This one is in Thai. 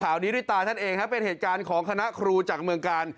มือเธอถ่ายข้าวดีด้วยตาท่านเองนะครับเป็นเหตุการณ์ของคณะครูจากเมืองกราน